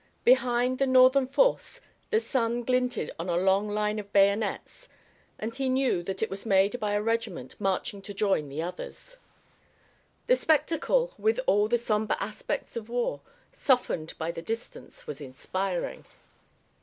Behind the Northern force the sun glinted on a long line of bayonets and he knew that it was made by a regiment marching to join the others. The spectacle, with all the somber aspects of war, softened by the distance, was inspiring.